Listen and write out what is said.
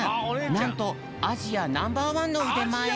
なんとアジアナンバーワンのうでまえ。